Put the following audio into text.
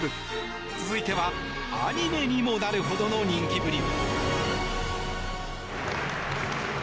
続いてはアニメにもなるほどの人気ぶり。